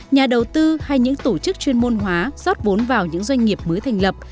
nhà đầu tư hay những tổ chức chuyên môn hóa rót vốn vào những doanh nghiệp mới thành lập